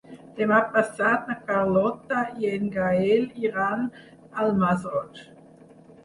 Demà passat na Carlota i en Gaël iran al Masroig.